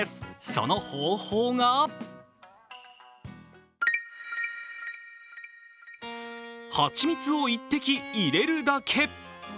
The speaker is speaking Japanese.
その方法が蜂蜜を１滴入れるだけ。